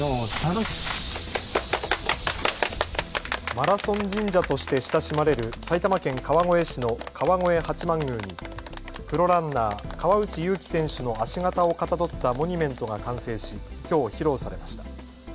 マラソン神社として親しまれる埼玉県川越市の川越八幡宮にプロランナー、川内優輝選手の足形をかたどったモニュメントが完成し、きょう披露されました。